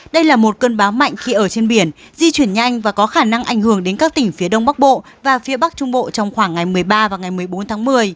đây là một cơn bão mạnh khi ở trên biển di chuyển nhanh và có khả năng ảnh hưởng đến các tỉnh phía đông bắc bộ và phía bắc trung bộ trong khoảng ngày một mươi ba và ngày một mươi bốn tháng một mươi